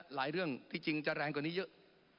เรื่องที่จริงจะแรงกว่านี้เยอะ